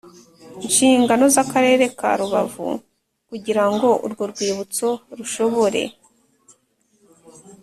Nshingano Z Akarere Ka Rubavu Kugira Ngo Urwo Rwibutso Rushobore